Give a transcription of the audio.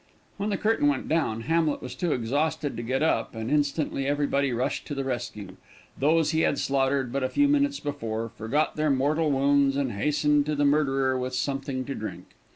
When the curtain went down Hamlet was too exhausted to get up, and instantly everybody rushed to the rescue; those he had slaughtered but a few minutes before, forgot their mortal wounds, and hastened to the murderer with something to drink.